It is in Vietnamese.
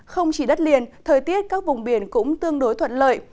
không chỉ đất liền thời tiết các vùng biển cũng tương đối thuận lợi